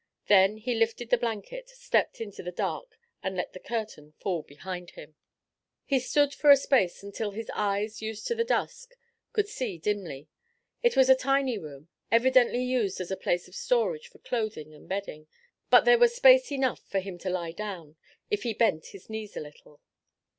Then he lifted the blanket, stepped into the dark, and let the curtain fall behind him. He stood for a space until his eyes, used to the dusk, could see dimly. It was a tiny room evidently used as a place of storage for clothing and bedding, but there was space enough for him to lie down, if he bent his knees a little.